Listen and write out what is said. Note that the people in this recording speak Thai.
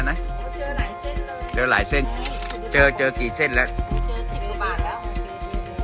เขาเจอหลายเส้นแล้วเจอหลายเส้นเจอเจอกี่เส้นแล้วเจอสิบกว่าบาทแล้ว